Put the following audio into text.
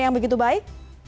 yang begitu baik